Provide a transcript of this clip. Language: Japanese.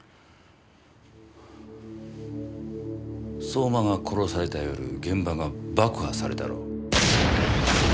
相馬が殺された夜現場が爆破されたろ。